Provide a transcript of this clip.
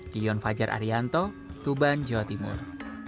di yon fajar arianto tuban jawa timur